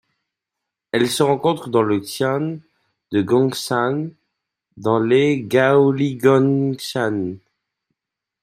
Elle se rencontre dans le xian de Gongshan dans les Gaoligongshan.